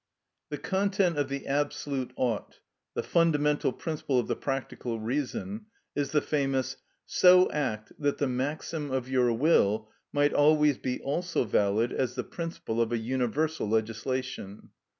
The content of the absolute ought, the fundamental principle of the practical reason, is the famous: "So act that the maxim of your will might always be also valid as the principle of a universal legislation."